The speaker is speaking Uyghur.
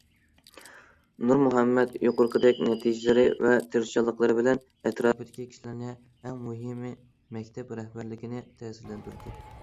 نۇرمۇھەممەت يۇقىرىقىدەك نەتىجىلىرى ۋە تىرىشچانلىقلىرى بىلەن ئەتراپىدىكى كىشىلەرنى، ئەڭ مۇھىمى مەكتەپ رەھبەرلىكىنى تەسىرلەندۈردى.